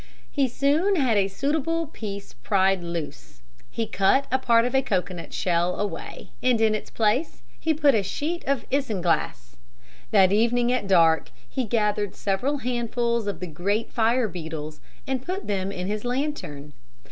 He soon had a suitable piece pried loose. He cut a part of a cocoanut shell away and in its place he put a sheet of isinglass. That evening at dark he gathered several handfuls of the great fire beetles and put them in his lantern.